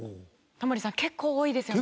タモリさん結構多いですよね。